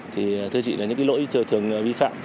thưa chị những lỗi thường vi phạm